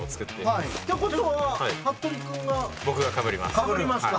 一体・かぶりますか